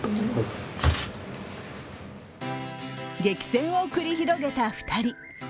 激戦を繰り広げた２人。